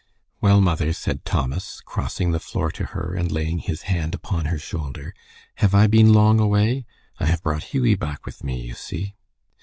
"Well, mother," said Thomas, crossing the floor to her and laying his hand upon her shoulder, "have I been long away? I have brought Hughie back with me, you see."